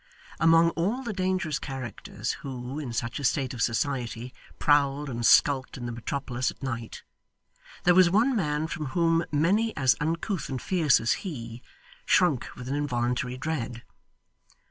Among all the dangerous characters who, in such a state of society, prowled and skulked in the metropolis at night, there was one man from whom many as uncouth and fierce as he, shrunk with an involuntary dread.